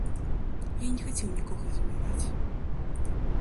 Я не хацеў нікога забіваць.